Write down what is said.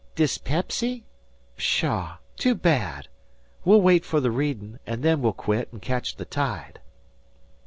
"Dispepsy? Pshaw too bad. We'll wait for the readin', an' then we'll quit, an' catch the tide."